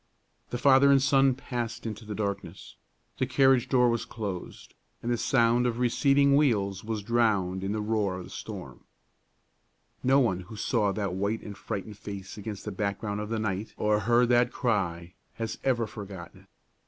The father and son passed out into the darkness; the carriage door was closed, and the sound of receding wheels was drowned in the roaring of the storm. No one who saw that white and frightened face against the background of the night or heard that cry has ever forgotten it.